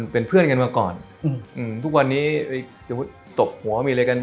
เป็นเพื่อนกันมาก่อนทุกวันนี้ตบหัวมีอะไรกัน